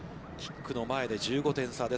キックの前で１５点差。